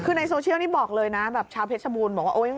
คือในโซเชียลนี่บอกเลยนะแบบชาวเพชรบูรณ์บอกว่า